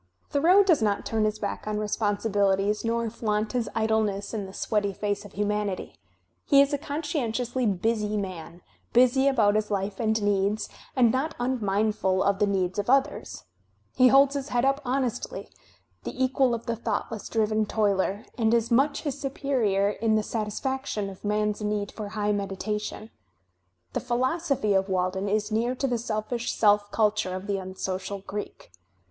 Thoreau does not turn his back on responsibilities nor flaunt his idleness in the sweaty face of humanity; he is a conscientiously busy man, busy about his life and needs, and not unmindful of the needs of others; he holds his head up honestly, the equal of the thoughtless driven toiler, and is much his superior in the satisfaction of man's need for high meditation. The philosophy of "Walden" is near to the seLBsh self culture of the unsocial Greek.